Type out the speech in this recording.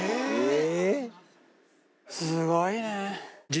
すごいね。